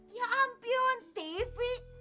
ya ampun tv